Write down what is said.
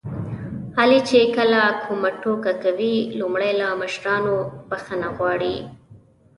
علي چې کله کومه ټوکه کوي لومړی له مشرانو نه بښنه غواړي.